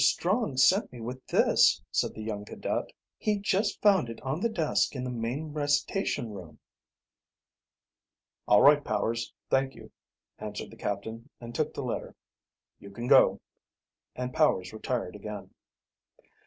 Strong sent me with this," said the young cadet. "He just found it on the desk in the main recitation room." "All right, Powers; thank you," answered the captain, and took the letter. "You can go," and Powers retired again.